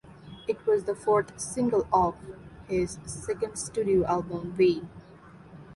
It was the fourth single off his second studio album "V".